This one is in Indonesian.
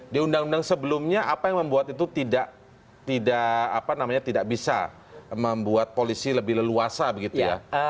di undang undang sebelumnya apa yang membuat itu tidak bisa membuat polisi lebih leluasa begitu ya